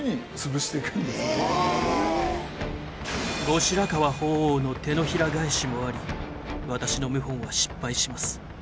後白河法皇の手のひら返しもあり私の謀反は失敗します。